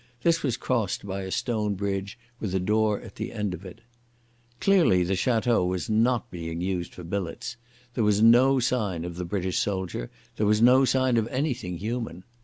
This was crossed by a stone bridge with a door at the end of it. Clearly the Château was not being used for billets. There was no sign of the British soldier; there was no sign of anything human.